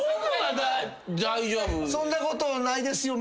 そんなことないですよ